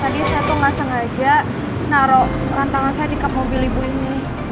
tadi saya tuh gak sengaja naro perantangan saya di kap mobil ibu ini